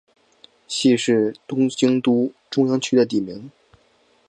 佃是东京都中央区的地名。